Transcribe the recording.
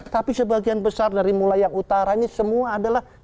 tapi sebagian besar dari mulai yang utara ini semua adalah